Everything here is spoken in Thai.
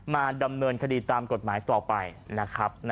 มาดำเนินคดีตามกฎหมายต่อไปนะครับ